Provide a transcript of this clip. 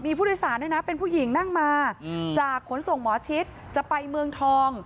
มีผู้โดยสารด้วยนะเป็นผู้หญิงนั่งมาจากขนส่งหมอชิดจะไปเมืองทอง